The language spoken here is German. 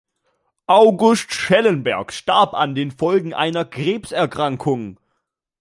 August Schellenberg starb an den Folgen einer Krebserkrankung.